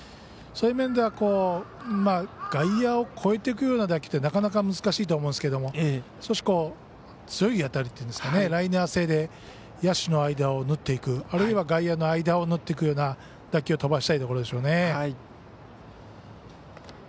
そういう面では外野を越えていくような打球ってなかなか難しいと思うんですが少し強い当たりというかライナー性で野手の間を縫っていくあるいは外野の間を縫っていくような打球を飛ばしたいところでしょう。